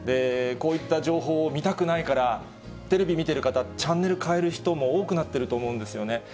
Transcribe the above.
こういった情報を見たくないから、テレビ見てる方、チャンネル変える人も多くなってると思うんですよね。